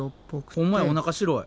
ほんまやおなか白い。